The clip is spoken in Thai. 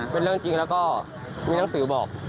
เป็นเรื่องจริงแล้วก็มีหนังสือบอก